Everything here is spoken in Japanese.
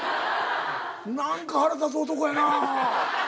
何か腹立つ男やなあ。